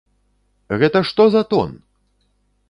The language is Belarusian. Гэта што за тон!